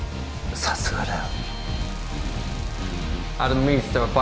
さすがだよ